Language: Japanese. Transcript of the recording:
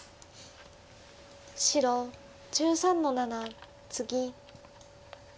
白１３の七ツギ。